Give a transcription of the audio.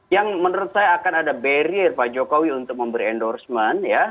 yang menurut saya akan ada barrier pak jokowi untuk memberi endorsement